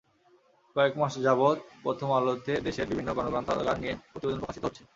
কয়েক মাস যাবৎ প্রথম আলোতে দেশের বিভিন্ন গণগ্রন্থাগার নিয়ে প্রতিবেদন প্রকাশিত হচ্ছে।